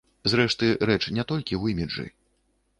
Зрэшты, рэч не толькі ў іміджы.